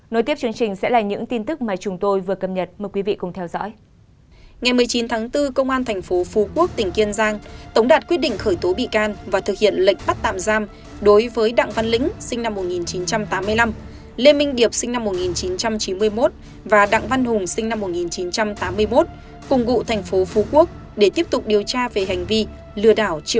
nối tiếp chương trình sẽ là những tin tức mà chúng tôi vừa cập nhật mời quý vị cùng theo dõi